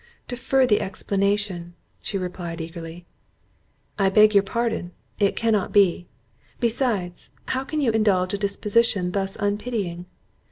"Defer the explanation," she replied eagerly. "I beg your pardon—it cannot be. Besides, how can you indulge a disposition thus unpitying?